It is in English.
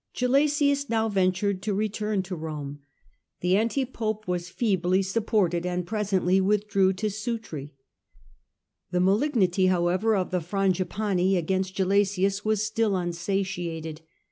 Gelasius now ventured to return to Rome : the anti pope was feebly supported and presently withdrew to Sutri. oeiodna The mdiguity, however, of the Frangipani S)m^buti8 against Gelasius was still unsatiated.